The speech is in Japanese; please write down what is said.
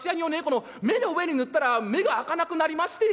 この目の上に塗ったら目が開かなくなりまして」。